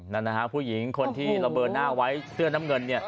นั่นนะฮะผู้หญิงคนที่ระเบิดหน้าไว้เสื้อน้ำเงินเนี่ย